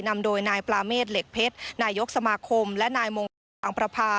นำโดยนายปราเมฆเหล็กเพชรนายกสมาคมและนายมงคลอังประพา